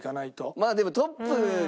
まあでもトップが。